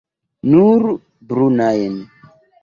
Nur brunajn.